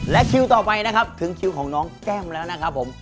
และคิวต่อไปนะครับถึงคิวของน้องแก้มแล้วนะครับผม